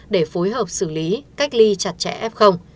để phối hợp xử lý cách ly chặt chẽ f